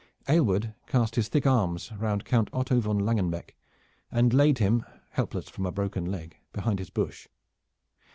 Aylward cast his thick arms round Count Otto von Langenbeck, and laid him, helpless from a broken leg, behind his bush.